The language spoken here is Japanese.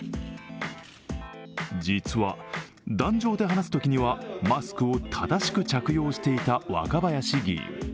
実は、壇上で話すときにはマスクを正しく着用していた若林議員。